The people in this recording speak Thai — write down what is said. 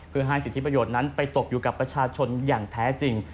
เพื่อให้สิทธิประโยชน์นั้นไปตกอยู่กับประชาชนอย่างแท้จริง